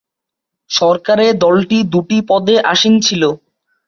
সরকারে দলটি দুটি পদে আসীন ছিল।